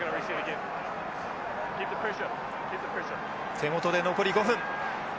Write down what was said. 手元で残り５分。